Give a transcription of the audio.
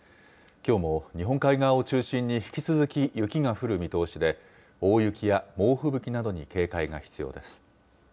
きょうも日本海側を中心に引き続き雪が降る見通しで、大雪や猛吹雪などに警戒が必要です。